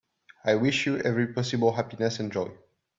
I wish you every possible happiness and joy.